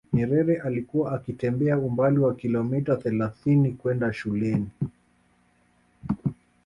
nyerere alikuwa akitembea umbali wa kilometa thelathini kwenda shuleni